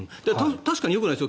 確かによくないですよ。